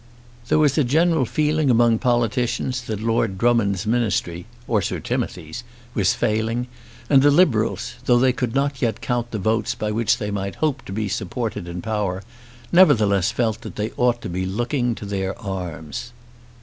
There was a general feeling among politicians that Lord Drummond's ministry, or Sir Timothy's was failing, and the Liberals, though they could not yet count the votes by which they might hope to be supported in power, nevertheless felt that they ought to be looking to their arms.